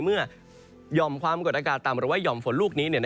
หย่อมความกดอากาศต่ำหรือว่าห่อมฝนลูกนี้